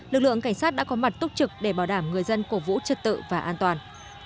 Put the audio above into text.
lực lượng cảnh sát đã có mặt túc trực để bảo đảm người dân cổ vũ trật tự và an toàn